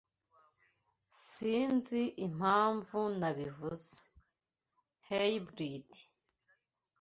Sinzi impamvu nabivuze. (Hybrid)